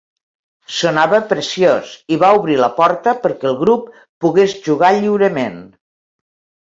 Sonava preciós, i va obrir la porta perquè el grup pogués jugar lliurement.